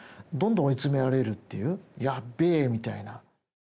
「やっべえ」みたいな。